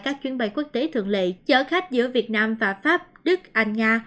các chuyến bay quốc tế thượng lệ chở khách giữa việt nam và pháp đức anh nga